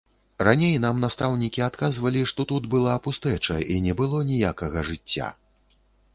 Раней нам настаўнікі адказвалі, што тут была пустэча і не было ніякага жыцця.